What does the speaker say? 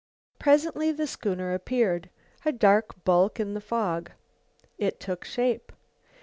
Presently the schooner appeared, a dark bulk in the fog. It took shape.